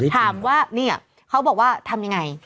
ถามว่านี่เขาบอกว่าทำยังไง